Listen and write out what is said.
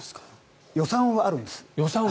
予算はあるんです。